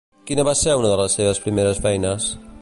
Quina va ser una de les seves primeres feines?